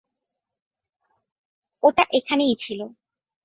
ওটা এখানেই ছিল।